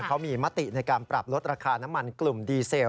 เขามีมติในการปรับลดราคาน้ำมันกลุ่มดีเซล